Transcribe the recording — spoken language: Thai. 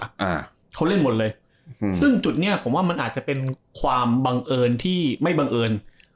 อ่าเขาเล่นหมดเลยอืมซึ่งจุดเนี้ยผมว่ามันอาจจะเป็นความบังเอิญที่ไม่บังเอิญ